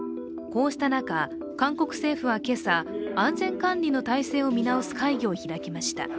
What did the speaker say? こうした中、韓国政府は今朝、安全管理の体制を見直す会議を開きました。